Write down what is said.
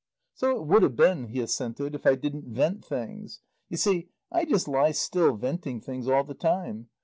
"So it would have been," he assented, "if I didn't 'vent things. You see, I just lie still 'venting things all the time.